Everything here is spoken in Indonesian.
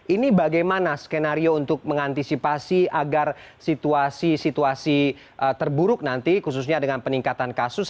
ini bagaimana skenario untuk mengantisipasi agar situasi situasi terburuk nanti khususnya dengan peningkatan kasus